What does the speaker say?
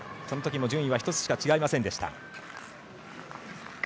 そのときも順位は１つしか違いませんでした。